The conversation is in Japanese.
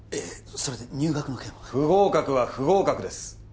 それで入学の件は不合格は不合格です